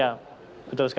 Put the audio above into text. apakah ada penolakan